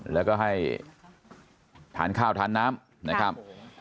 แล้วก็ให้ทานข้าวทานน้ำนะครับ